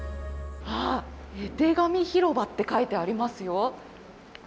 絵手紙ひろばって書いてありますよ。